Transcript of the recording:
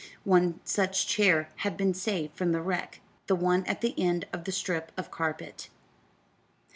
One such chair had been saved from the wreck the one at the end of the strip of carpet.